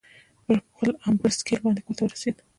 پر خپل امبرسایکل باندې کورته ورسېد.